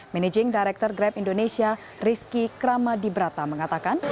managing director grab indonesia rizky kramadibrata mengatakan